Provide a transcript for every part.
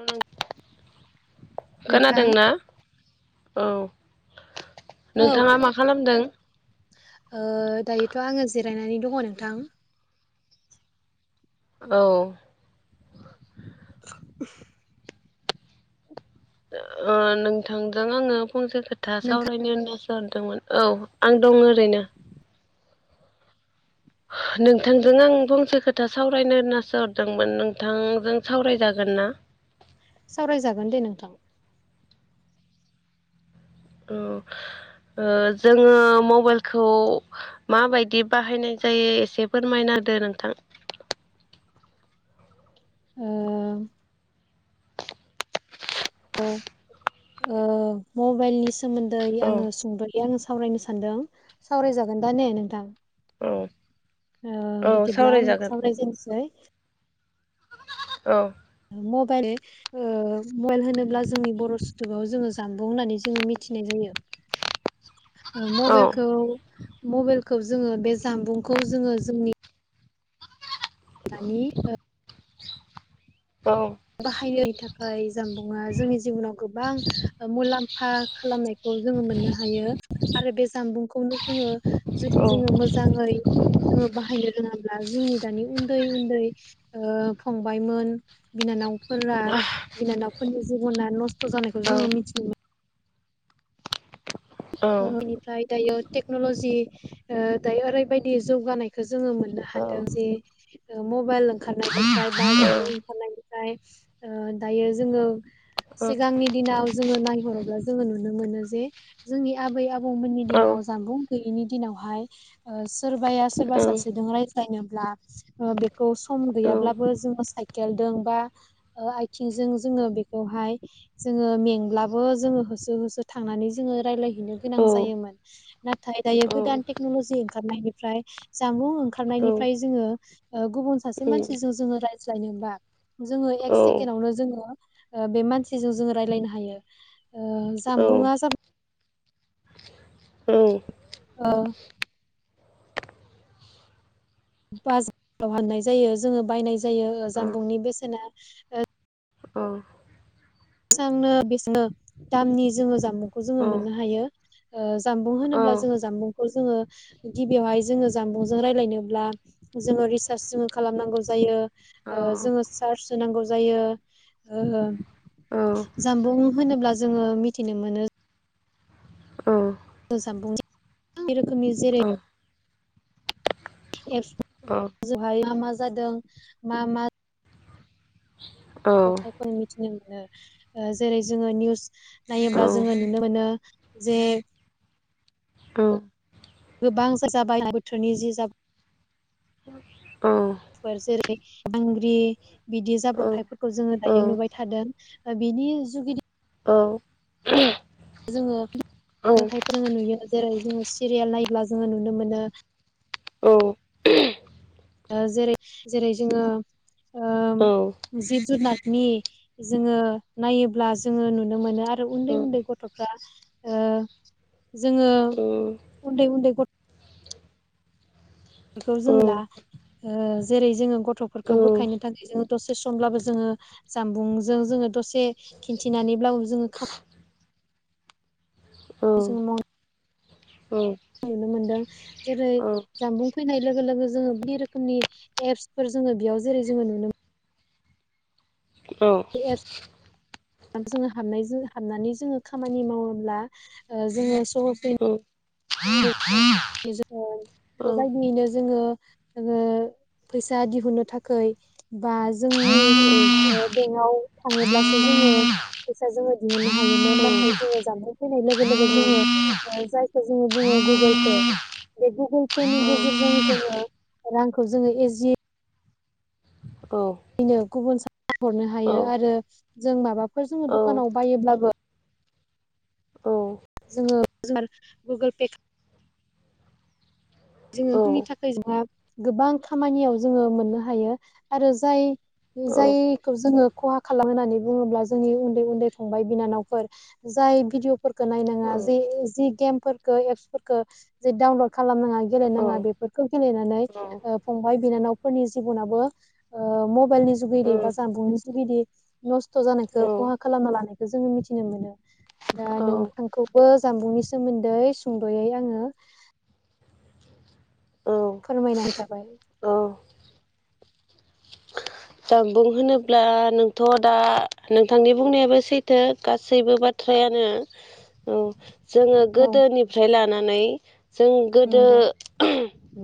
ओ नोंथां खोनादोंना औ औ नोंथाङा खोन मा खालामदों ओ दायोथ आङो जिरायनानै दङ नोंथां औ [inaudible] ओ नोंथांजों आंओ फंसे खोथा नोंथां सावरायनो होनना सो सानदोंमोन औ आं दङ ओरैनो [inaudible] नोंथांजों आं फंसे खोथा सावरायनो होनासो हरदोंमोन नोंथांजों सावरायजागोन ना [inaudible] सावरायजागोन दे नोंथां औ ओ जोङो मबेलखौ माबायदि बाहायनाय जायो एसे फोरमायना होदो नोंथां ओ। ओ ओ मबेलनि सोमोन्दै औ आङो सुंद'यै यै आङो सावरायनो सानदों सावरायजागोन दा ने नोंथां। औ। आ औ बिदिब्ला आंङो सावरायजागोन सावरायजेननोसै औ। मबेल ओ मबेल होनोब्ला जोंनि बर' सुथुबाव जोङो जानबुं होननानै जोङो मिथिनाय जायो। यो। [inaudible] ओ औ मबेलखौ मबेलखौ जोङो बे जामबुंखौ जोङो जोंनि नानि ओ। [inaudible] बाहायनो थाखाय जामबुंङा जोंनि जिबनाव गोबां ओ मुलाम्फा खालामनाय खौ जोङो मोननो हायो आरो बे जामबुंखौनो जोङो औ जुदि जोङो मोजाङै जोङो बाहायनो रोङाब्ला जोंनि दानि उन्दै उन्दै ओ फंबायमोन। बिनानावफोरा बिनानावफोरनि जिब'ना नस्थ' जानायखौ जोङो मिथिनो मोन औ [unintelligible] टेक्न'लजि ओ दायो ओरैबायदि जौगानायखो जोङो मोननो हादों जे ओ मबाइल ओंखारनायनिफ्राय बा औ जामबुं ओंखारनायनिफ्राय ओ दायो जोङो। औ सिगांनि दिनाव जोङो नायहरोब्ला जोङो नुनो मोनो जे जोंनि आबै आबौमोननि औ दिनाव जानबुं गैयैनि दिनावहाय ओ सोरबाया सोरबा सासेदों [unintelligible] ओ बेखौ गैयाब्लाबो औ जोङो साइकेलदों बा ओ आय आयथिंजों जोंङो बिखौहाय जोङो मेंब्लाबो जोङो होसो होसो थांनानै जोङो रायलायहैनो गोनां जायोमोन नाथाय दायो गोदान टेकनलजि ओंखारनायनिफ्राय जामुबुं ओंखारनायनिफ्राय जोङो ओ गुबुन सासे मानसिजों जोङो रायज्लायनोबा जोङो एक औ सेकेण्डवानो जोङो ओ बे मानसिजों जोङो रायलायनो हायो ओ जाम बुङा जाब ओ। बाजाराव हाननाय जायो जोङो बायनाय जायो ओ जामबुंनि बेसेना ओ। बेसांनो बेसेनो दामनि जोङो जामबुंखौ जोङो मोननो हायो। ओ जामबुं होनोब्ला जोङो जामबुंखौ जोङो गिबियावहाय जोङो जामबुंजों रायलायनोब्ला। जोङो रिसार्च जोङो खालामनांगौ जायो ओ जोङो सार्च होनांगौ जायो। ओ जामबुं होनोब्ला जोङो मिथिनो मोनो। ओ जामबुंनि बे रोखोमनि जेरै एफस जोहाय मा मा जादों मा मा। रथायफोर मिथिनो मोनो ओ ओ जेरै जोङो निउस नायोब्ला जोङो नुनो मोनो जे गोबांसो जाबाय बोथोरनि जि जाब फोर जेरै आंग्रि बिदि जाब्रबथायफोरखौ जोङो दायो नुबाय थादों बि नि जुगिदि औ। जोङो ओंखाय जोङो नुयो जेरै जोङो सिरियाल नायोब्ला जोङो नुनो मोनो। औ। ओ जेरै जेरै जोङो ओ औ। जिब जुनादनि जोङो नायोब्ला जोङो नुनो मोनो आरो उन्दै उन्दै गथ' फ्रा ओ जोङो उन्दै उन्दै गथ खौ जों ला ओ जेरै जोङो गथ'फोरखौ बुरखायनो थाखाय जोङो दसे समब्लाबो जोङो। जामबुंजों जोङो दसे खिन्थिनानैब्लाबो जोङो खा। जों महर। [unintelligible] मोनदों जेरै जानबुं फैनाय लोगो लोगो जोङो बे रोखोमनि एपसफोर जोङो बेयाव जेरै। जों जोङो नुनो मोन। औ। एप्स जोङो हाबनाय हाबनानै जोङो खामानि मावोब्ला ओ जोङो सहजैनो। जोङो बेबायदियैनो जोङो जोङो। फैसा दिहुननो थाखाय बा जोंनि। ओ बेंकआव थाङोब्लासो जोङो। फैसा जोङो दिहुननो हायोमोन नाथाय जोङो जाम्फै फैनाय लोगो लोगो जोङो ओ जायखौ जोङो बुङो। गुगोल पे बे गुगोल पेनि गेजेरजों जोङो रांखौ जोङो एजिए। बेनो गुबुन सा। हरनो हायो आरो जों माबाफोर जोङो दखानाव बायोब्लाबो। जोङो गुगोल पे। जोङो जोंनि औ थाखाय जोंहा गोबां खामानियाव जोङो मोननो हायो आरो जाय। औ औ जायखौ जोङो खहा खालाम होननानै बुङोब्ला जोंनि उन्दै उन्दै फंबाय बिनानावफोर जाय। जाय भिदअफोरखौ औ नायनाङा जे जि गेमफोरखौ एपसफोरखौ जा डाउनलड खालामनाङा। औ गेलेनाङा बेफोरखौ गेलेनानै ओ फंबाय बिनानाव फोरनि जिबनाबो ओ मबाइलनि। औ जुगिदि बा जानबुंनि जुगिदि नस्थ' जानायखौ औ खहा खालामना लानायखौ जोङो मिथिनो मोनो। दा नोंथांखौबो जामबुंनि सोमोन्दै सुंद'यै आङो। औ फोरमायना होनो थाबाय। जानबुं होनोब्ला नोंथ' दा नोंथांनि बुंनायाबो सैथो गासैबो बाथ्रा। ब्रायानो औ। जोङो औ गोदोनिफ्राय लानानै जों गोदो। नंगौ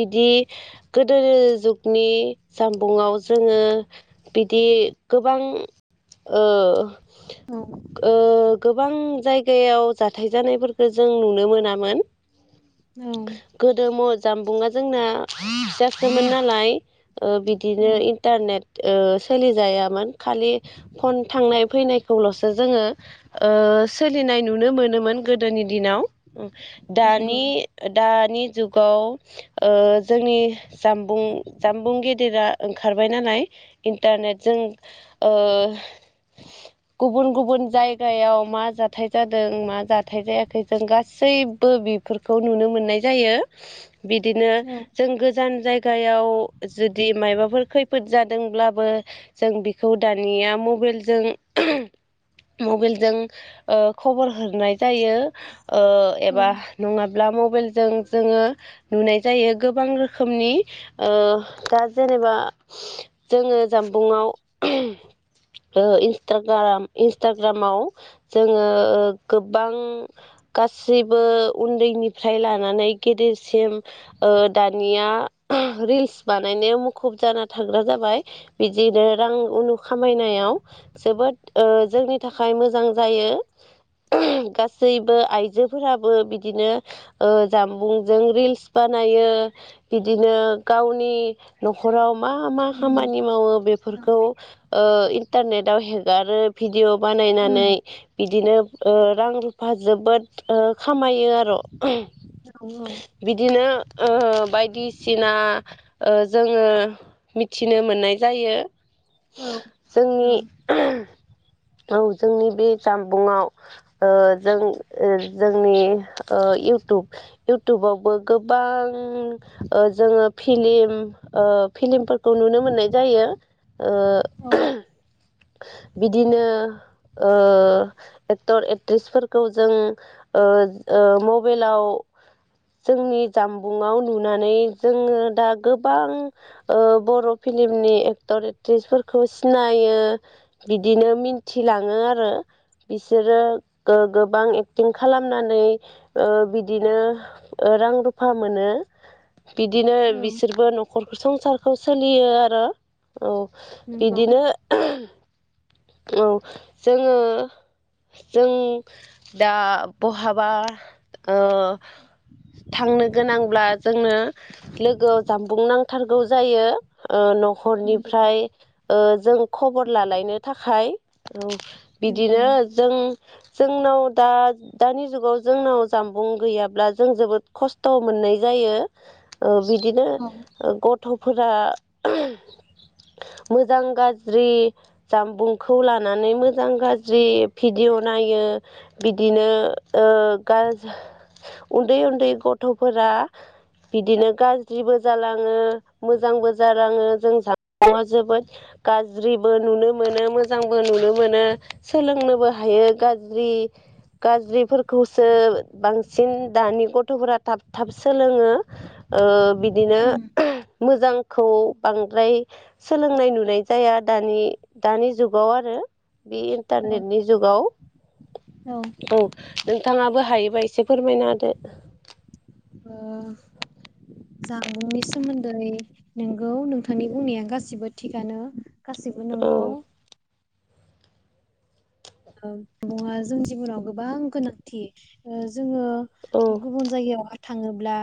बिदि गोदो जुगनि जामबुंङाव जोङो। बिदि गोबां ओ औ ओ गोबां जाय। जायगायाव जाथाय जानायफोरखौ जों नुनो मोनामोन। औ। गोदो म जामबुंआ जोंना फिसासोमोन नालाय ओ औ बिदिनो इन्टारनेट। ओ सोलिजायामोन खालि फन थांनाय फैनाय। खौल'सो जोङो ओ सोलिनाय नुनो मोनोमोन गोदोनि दिनाव। उ नंगौ दानि दा। दानि जुगाव ओ जोंनि जानबुं जामबुं गेदेरा ओंखारबाय नालाय। इन्टारनेटजों ओ। गुबुन गुबुन जायगायाव मा जाथाय जादों मा जाथाय जायाखै जों गासै। बो बेफोरखौ नुनो मोननाय जायो। बिदिनो औ जों गोजान जायगायाव जुदि मायबाफोर खैफोद जा। जोंब्लाबो जों बेखौ दानिया मबाइलजों। मबाइलजों ओ खबर होरनाय जायो ओ एबा उम नङा। ब्ला मबाइजों जोङो नुनाय जायो गोबां रोखोमनि ओ दा जेरै। जेनेबा जोङो जामबुंआव। ओ इन्सटाग्राम इन्सटाग्रामाव जोङो ओ गोबां। गासैबो उन्दैनिफ्राय लानानै गेदेरसिम ओ दानिया। रिल्स बानायनाया मुखुब जाना थाग्रा। जाबाय बिदिनो रां उनु खामायनायाव जोबोद ओ जोंनि थाखाय मोजां। जायो। गासैबो आइजोफोराबो बिदिनो ओ जामबुंजों रिल्स बाना। नायो बिदिनो गावनि न'खराव मा मा उम खामानि मावो औ बेफोरखौ ओ इन्टारनेटाव हेगारो भिडिअ बानायनानै बिदिनो ओ रां- रुफा जोबोद ओ [unintelligible] खामायो आर' औ बिदिनो ओ बायदिसिना ओ जोङो मिथिनो मोननाय जायो। औ जोंनि औ जोंनि बि जामबुंआव ओ जों जोंनि ओ इउटुब -इउटुबावबो गोबां। [unintelligible] ओ जोङो फिलिम ओ फिलिमफोर [unintelligible] नुनो मोननाय जायो ओ औ बिदिनो ओ एक्टर -एक्ट्रिसफोरखौ जों ओ ओ मबाइलाव जोंनि जामबुंआव नुनानै जोङो दा गोबां ओ बर' फिलिमनि एक्टर -एक्ट्रिसफोरखौ सिनायो। बिदिनो मिन्थिलाङो आरो। इसोरो गो- गोबां एक्टिं खालामनानै ओ बिदिनो ओ रां- रुफा मोनो। बिदिनो बिसोरबो न'खर संसारखौ सोलियो आरो। औ नंगौ बिदिनो औ जोङो जों दा बहाबा ओ थांनो गोनांब्ला जोंनो लोगोआव जामबुं नांथारगौ जायो ओ [unintelligible] नंगौ हर'निफ्राय ओ जों खबर लालायनो थाखाय। औ नंगौ बिदिनो जों जोंनाव दा- दानि जुगाव जोंनाव जामबुं गैयाब्ला जों जोबोद खस्थ' मोनो। मोननाय जायो ओ [unintelligible] बिदिनो औ ओ गथ'फोरा मोजां -गाज्रि जामबुंखौ लानानै मोजां -गाज्रि भिडिय' नायो बिदिनो ओ गाज- उन्दै -उन्दै गथ'फोरा बिदिनो गाज्रिबो जालाङो मोजांबो जालाङो [unintelligible] आं जोबोद गाज्रि [unintelligible] नुनो मोनो मोजांबो नुनो मोनो सोलोंनोबो हायो गाज्रि गाज्रिफोरखौसो बांसिन दानि गथ'फोरा थाब- थाब सोलोङो। ओ बिदिनो उम मोजांखौ बांद्राय सोलोंनाय नुनाय जाया। दानि- दानि जुगाव आरो। बे औ इन्टारनेटनि जुगाव औ नोंथाङाबो हायोबा [unintelligible] एसे फोरमायना होदो? ओ जामबुंनि सोमोन्दै नोंगौ नोंथांनि बुंनाया गासिबो थिगानो। गासिबो औ नंगौ। [unintelligible] जों जिउआव गोबां गोनांथि ओ जोङो गुबुन जायगायाव थाङोब्ला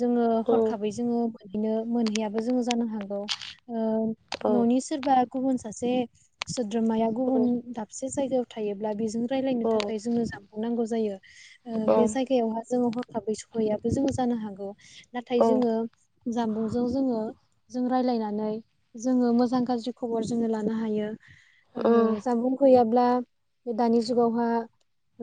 जोङो हर'खाबै जोङो [unintelligible] मोनहैयाबो जोङो जानो हागौ न'नि सोरबा गुबुन सासे सोद्रोमाया गुबुन दाबसे जायगायाव थायोब्ला बेजों रायलायनो थाखाय जोंनो जामबुं नांगौ जायो ।ओ बे जागायावहा जों [unintelligible] [unintelligible] सहैयाबो जोङो जानो हागौ ।नाथाय जोङो जामबुंजों जोङो जों रायज्लायनानै जोङो मोजां गाज्रि खबर जोङो लानो हायो। ओ जामबुं गैयाब्ला दानि जुगावहा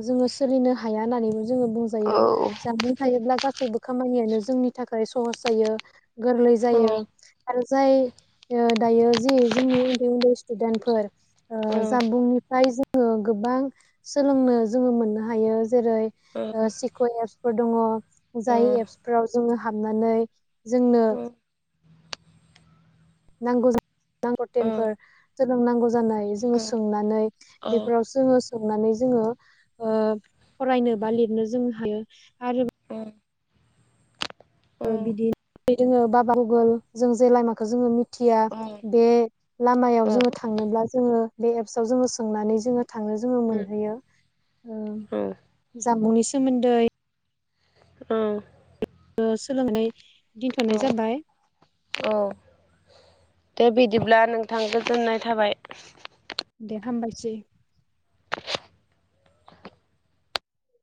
जोङो सोलिनो हाया होनानैबो जोङो बुंजायो ।जाबुं थायोब्ला गासैबो खामानियानो जोंनि थाखाय सहस जायो। गोरलै जायो। आरो जाय ओ दायो जि जोंनि उन्दै- उन्दै स्टुदेन्टफोर औ बेनिफ्राय जोङो गोबां सोलोंनो जोङो मोननो हायो । जेरै सिक' एपसफोर दङ जाय एपसफोराव जोङो हाबनानै जोंनो नांगौ नांगौ टेनफोर जोंनो नांगौ जानाय जोङो सोंनानै बेफोरावसो सोंनानै जोङो ओ फरायनो बा लिरनो जों हायो आरो उम बिदि दोङो बाबा गुगोल जों जे लामाखौ जोङो मि थिया बे लामायाव जोङो थांनोब्ला जोङो बे एपसव जोङो सोंनानै जोङो थांनो जोङो मोनहैयो उम जामुंनि सोमोन्दै औ ओ सोलोंनाय दोनथ'नाय जाबाय । दे बिदिब्ला नोंथां गोजोननाय थाबाय । दे हामबायसै । [inaudible]